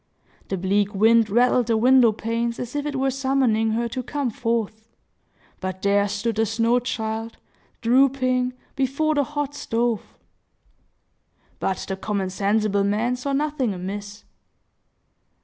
The bleak wind rattled the window panes, as if it were summoning her to come forth. But there stood the snow child, drooping, before the hot stove! But the common sensible man saw nothing amiss.